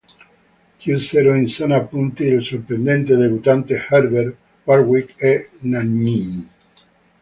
Chiusero in zona punti il sorprendente debuttante Herbert, Warwick e Nannini.